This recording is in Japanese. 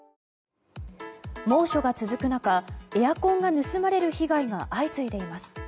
猛暑が続く中エアコンが盗まれる被害が相次いでいます。